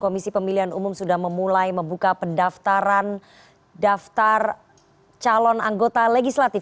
komisi pemilihan umum sudah memulai membuka pendaftaran daftar calon anggota legislatif